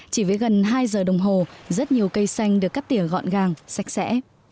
chỉ với gần hai giờ đồng hồ rất nhiều cây xanh được cắt tỉa gọn gàng sạch sẽ